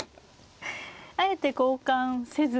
あえて交換せずに。